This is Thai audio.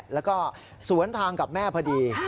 แล้วก็สวนทางกับแม่พอดี